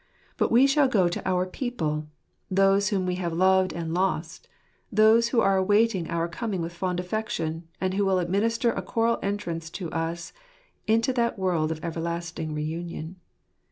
But we shall go to our people; those whom we have loved and lost; those who are awaiting our coming with fond affection, and who will administer a choral entrance to us into that world of everlasting re union.